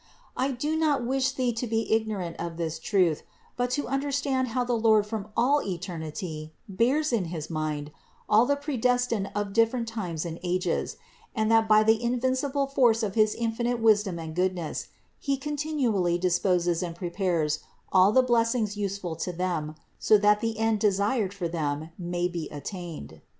I do not wish thee to be ignorant of this truth, but to understand how the Lord from all eternity bears in his mind all the predestined of 310 CITY OF GOD the different times and ages; and that by the invincible force of his infinite wisdom and goodness He continually disposes and prepares all the blessings useful to them, so that the end desired for them may be attained.